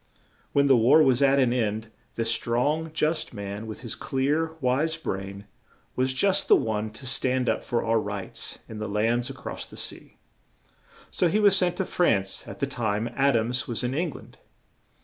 When the war was at an end, this strong, just man, with his clear, wise brain, was just the one to stand up for our rights in the lands a cross the sea, so he was sent to France at the time Ad ams was in Eng land.